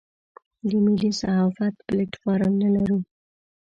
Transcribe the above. د ملي صحافت پلیټ فارم نه لرو.